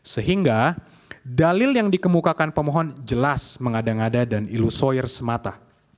sehingga dalil yang dikemukakan pemohon jelas mengada ngada dan ilusoir semata